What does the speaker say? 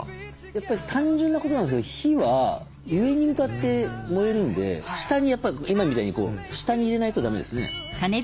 やっぱり単純なことなんですけど火は上に向かって燃えるんで今みたいに下に入れないとだめですね。